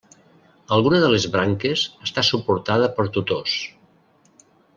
Alguna de les branques està suportada per tutors.